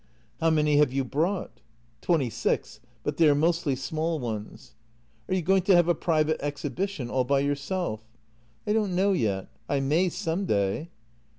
" How many have you brought? "" Twenty six, but they are mostly small ones." " Are you going to have a private exhibition — all by your self? "" I don't know yet — I may, some day."